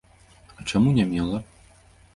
А чаму не мела?